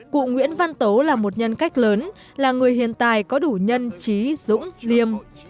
cụ nguyễn văn tố là một nhân cách lớn là người hiện tài có đủ nhân trí dũng liêm